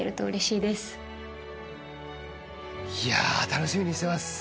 楽しみにしてます。